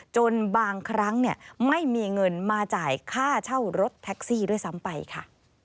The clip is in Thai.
จนบางครั้งไม่มีเงินมาจ่ายค่าเช่ารถแท็กซี่ด้วยซ้ำไปค่ะ